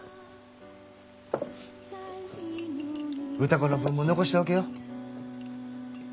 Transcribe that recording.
歌子の分も残しておけよ。